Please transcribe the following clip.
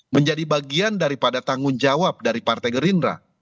menjadi bagian daripada tanggung jawab dari partai gerindra